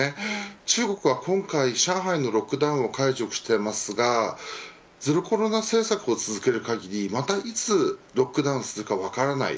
中国は今回、上海のロックダウンを解除していますがゼロコロナ政策を続ける限りまたいつロックダウンするか分かりません。